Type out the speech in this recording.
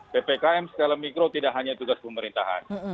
ppkm skala mikro tidak hanya tugas pemerintahan